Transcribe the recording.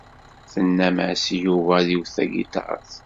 Tennam-as i Yuba ad iwet tagiṭart.